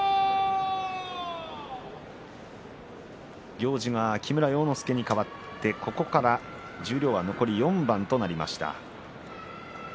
行司は木村要之助にかわって、ここから十両は残り４番となります。